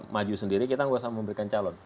maju sendiri kita nggak usah memberikan calon